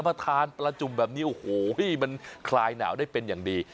พอทานปลาจุ่มแบบนี้โอ้โหมันคลายหนาวได้เป็นอย่างดี